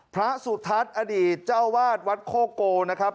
พระสุทัศน์อดีตเจ้าวาดวัดโคโกนะครับ